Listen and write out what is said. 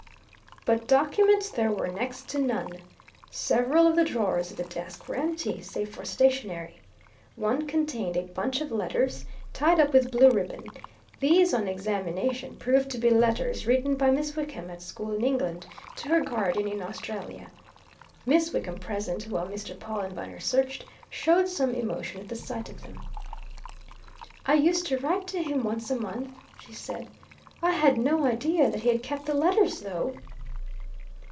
But documents there were next to none. Several of the drawers of the desk were empty, save for stationery. One contained a bunch of letters, tied up with blue ribbon these, on examination, proved to be letters written by Miss Wickham, at school in England, to her guardian in Australia. Miss Wickham, present while Mr. Pawle and Viner searched, showed some emotion at the sight of them. "I used to write to him once a month," she said. "I had no idea that he had kept the letters, though!"